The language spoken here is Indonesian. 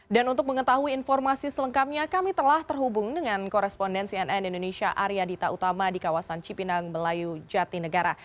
dan untuk mengetahui informasi selengkapnya kami telah terhubung dengan koresponden cnn indonesia arya dita utama di kawasan cipinang melayu jati negara